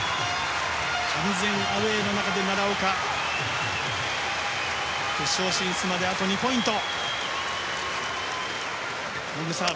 完全アウェーの中で奈良岡決勝進出まであと２ポイント。